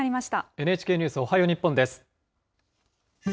ＮＨＫニュースおはよう日本